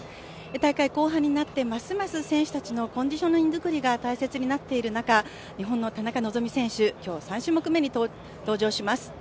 大会後半になってますます選手たちのコンディションづくりが大切になってくる中、日本の田中希実選手、今日３種目めに登場します。